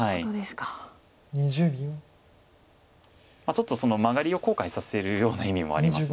ちょっとそのマガリを後悔させるような意味もあります